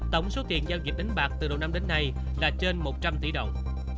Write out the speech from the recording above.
tổng số tiền giao dịch đánh bạc từ đầu năm đến nay là trên một trăm linh tỷ đồng